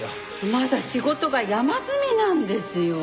まだ仕事が山積みなんですよ。